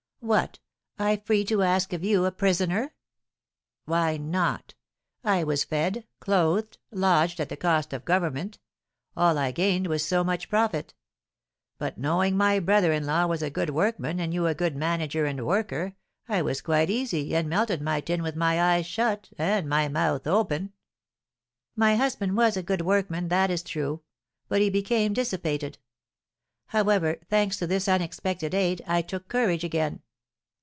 "What! I free to ask of you a prisoner?" "Why not? I was fed, clothed, lodged, at the cost of government; all I gained was so much profit. But knowing my brother in law was a good workman, and you a good manager and worker, I was quite easy, and melted my 'tin' with my eyes shut, and my mouth open." "My husband was a good workman, that is true; but he became dissipated. However, thanks to this unexpected aid, I took courage again.